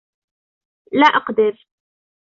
لا أقدر.